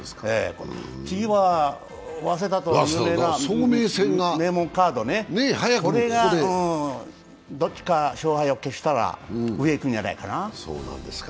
次は早稲田と名門カードね、これがどっちか勝敗を決したら上に行くんじゃないかな。